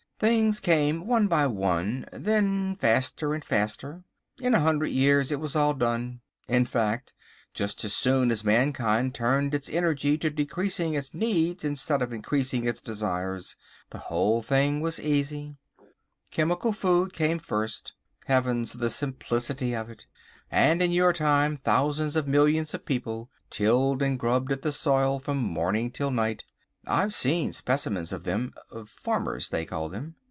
Things came one by one, then faster and faster, in a hundred years it was all done. In fact, just as soon as mankind turned its energy to decreasing its needs instead of increasing its desires, the whole thing was easy. Chemical Food came first. Heavens! the simplicity of it. And in your time thousands of millions of people tilled and grubbed at the soil from morning till night. I've seen specimens of them—farmers, they called them.